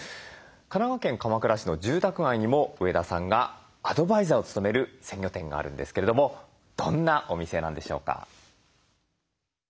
神奈川県鎌倉市の住宅街にも上田さんがアドバイザーを務める鮮魚店があるんですけれどもどんなお店なんでしょうか。